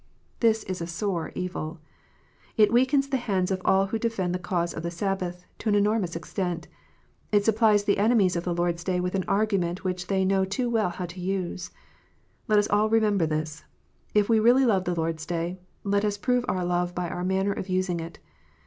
This is a sore evil. It weakens the hands of all who defend the cause of the Sabbath, to an enormous extent : it supplies the enemies of the Lord s Day with an argument which they know too well how to use. Let us all remember this. If we really love the Lord s Day, let us prove our love by our manner of using it.